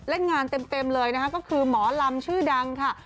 เล่นงานเต็มเลยนะคะก็คือหมอลำชื่อดังค่ะ